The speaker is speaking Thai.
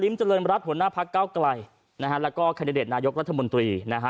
ลิ้มเจริญรัฐหัวหน้าภักดิ์เก้าไกลนะฮะแล้วก็นายกรัฐมนตรีนะฮะ